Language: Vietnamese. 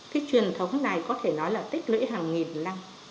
cái truyền thống này có thể nói là tích lũy hàng nghìn năm